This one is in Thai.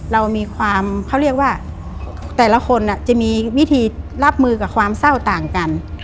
เรามีความเขาเรียกว่าแต่ละคนจะมีวิธีรับมือกับความเศร้าต่างกัน